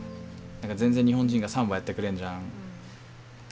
全然日本人がサンバやってくれないじゃん。